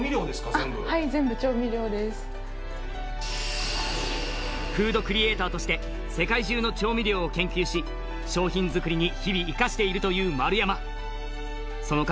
全部あっはい全部調味料ですフードクリエイターとして世界中の調味料を研究し商品作りに日々生かしているという丸山その数